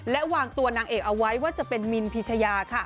และวางตัวนางเอกเอาไว้ว่าจะเป็นมินพิชยาค่ะ